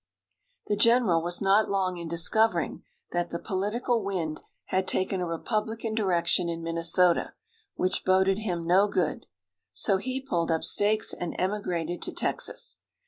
The general was not long in discovering that the political wind had taken a Republican direction in Minnesota, which boded him no good. So he pulled up stakes and emigrated to Texas.